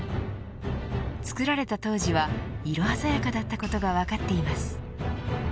作られた当時は色鮮やかだったことが分かっています。